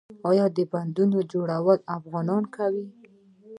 آیا د بندونو جوړول افغانان کوي؟